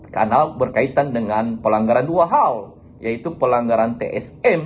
karena berkaitan dengan pelanggaran dua hal yaitu pelanggaran tsm